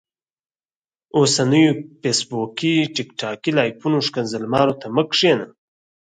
اوسنيو فيسبوکي ټیک ټاکي لايفونو ښکنځل مارو ته مه کينه